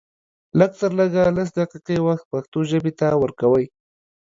لږ تر لږه لس دقيقې وخت پښتو ژبې ته ورکوئ